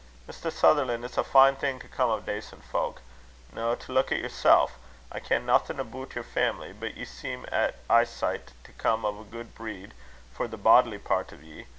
Mr. Sutherlan', it's a fine thing to come o' dacent fowk. Noo, to luik at yersel': I ken naething aboot yer family; but ye seem at eesicht to come o' a guid breed for the bodily part o' ye.